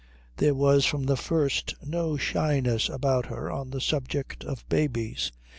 There was from the first no shyness about her on the subject of babies.